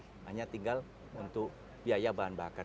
hanya tinggal untuk biaya bahan bakar